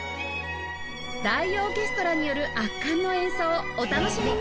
大オーケストラによる圧巻の演奏をお楽しみに！